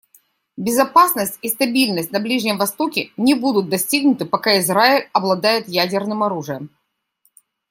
Безопасность и стабильность на Ближнем Востоке не будут достигнуты, пока Израиль обладает ядерным оружием.